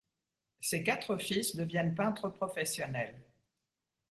Ses quatre fils deviennent peintres professionnels.